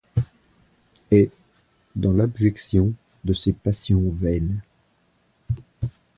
Et, dans l’abjection de ses passions vaines